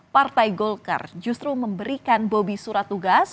partai golkar justru memberikan bobi surat tugas